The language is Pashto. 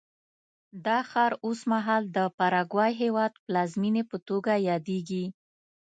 دا ښار اوس مهال د پاراګوای هېواد پلازمېنې په توګه یادېږي.